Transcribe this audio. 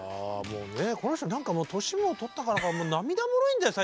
もうねこの人何かもう年も取ったからか涙もろいんだよ